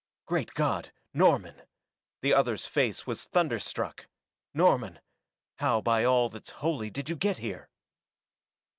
"Great God Norman!" The other's face was thunderstruck. "Norman how by all that's holy did you get here?"